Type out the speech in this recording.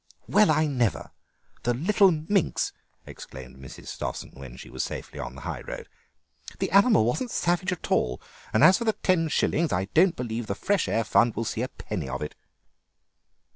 "Well, I never! The little minx!" exclaimed Mrs. Stossen when she was safely on the high road. "The animal wasn't savage at all, and as for the ten shillings, I don't believe the Fresh Air Fund will see a penny of it!"